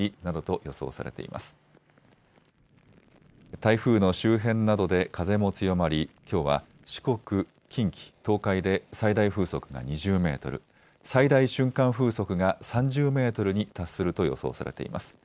台風の周辺などで風も強まり、きょうは、四国、近畿、東海で最大風速が２０メートル、最大瞬間風速が３０メートルに達すると予想されています。